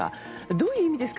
どういう意味ですか？